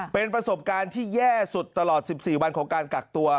เป็นประสบการณ์ที่แย่สุดตลอด๑๔วันของการกักตัว